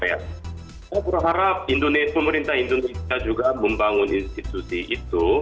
saya berharap pemerintah indonesia juga membangun institusi itu